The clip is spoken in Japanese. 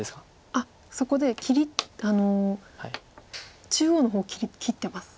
あっそこで切り中央の方切ってます。